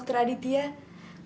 karena kamu memang cantik